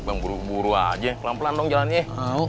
bang buru buru aja pelan pelan dong jalannya